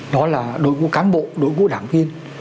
đó là đội ngũ cán bộ đội ngũ đảng viên